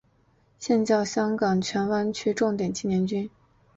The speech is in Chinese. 现教香港荃湾区重点青年军。